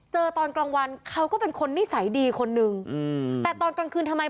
เธอบอกว่าเธอบอกว่าเธอบอกว่าเธอบอกว่าเธอบอกว่าเธอบอกว่า